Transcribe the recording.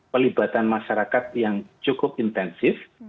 pelibatan masyarakat yang cukup intensif